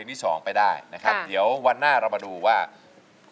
เพลงที่เจ็ดเพลงที่แปดแล้วมันจะบีบหัวใจมากกว่านี้